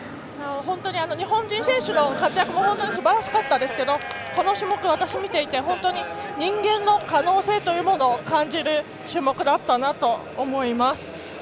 日本人選手の活躍もすばらしかったですけどこの種目、私見ていて本当に人間の可能性というものを感じる種目だったなと思います。